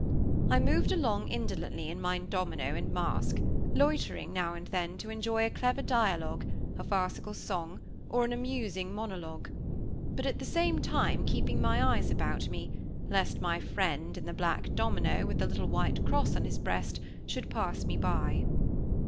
_ I moved along, indolently, in my domino and mask, loitering, now and then, to enjoy a clever dialogue, a farcical song, or an amusing monologue, but, at the same time, keeping my eyes about me, lest my friend in the black domino, with the little white cross on his breast, should pass me by.